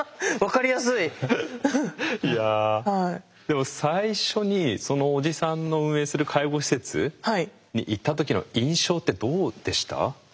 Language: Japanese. でも最初にそのおじさんの運営する介護施設に行った時の印象ってどうでした？